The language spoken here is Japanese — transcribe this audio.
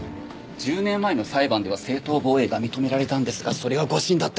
１０年前の裁判では正当防衛が認められたんですがそれは誤審だった。